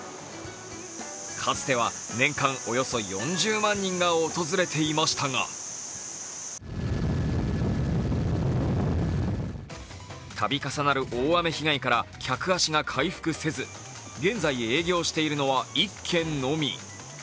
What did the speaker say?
かつては年間およそ４０万人が訪れていましたが度重なる大雨被害から客足が回復せず現在営業しているのは１軒のみ。